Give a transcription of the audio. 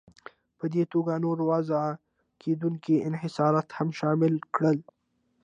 په دې توګه نور وضع کېدونکي انحصارات هم شامل کړل.